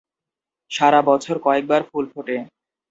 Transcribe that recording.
সারা বছর কয়েকবার ফুল ফোটে।